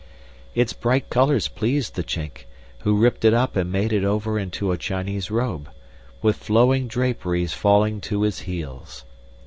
Its bright colors pleased the Chink, who ripped it up and made it over into a Chinese robe, with flowing draperies falling to his heels.